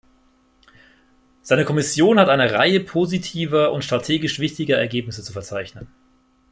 Seine Kommission hat eine Reihe positiver und strategisch wichtiger Ergebnisse zu verzeichnen.